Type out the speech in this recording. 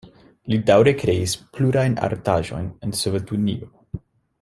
Li daŭre kreis plurajn artaĵojn en Sovetunio.